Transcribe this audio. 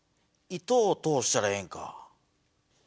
糸を通したらええんか。